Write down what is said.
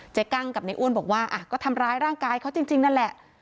กั้งกับในอ้วนบอกว่าก็ทำร้ายร่างกายเขาจริงนั่นแหละ